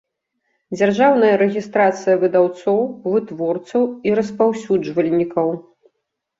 Дзяржаўная рэгiстрацыя выдаўцоў, вытворцаў i распаўсюджвальнiкаў